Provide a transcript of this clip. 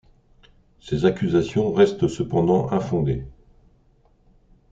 Ces accusations restent cependant infondées.